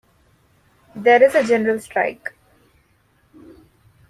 There is a general strike.